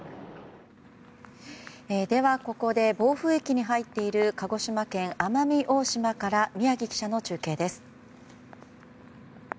では、ここで暴風域に入っている鹿児島県奄美大島から宮城記者の中継です。